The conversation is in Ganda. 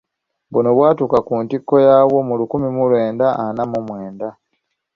Buno bwatuuka ku ntikko yaabwo mu lukumi mu lwenda ana mu mwenda.